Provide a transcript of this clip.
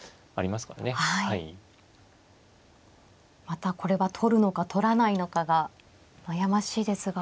またこれは取るのか取らないのかが悩ましいですが。